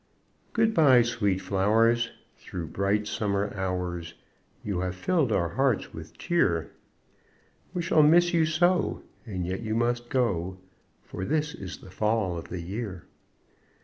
Good by, sweet flowers! Through bright Summer hours You have filled our hearts with cheer We shall miss you so, And yet you must go, For this is the Fall of the year.